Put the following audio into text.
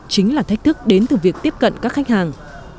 chính là thách thức đến từ việc tiếp cận các khách hàng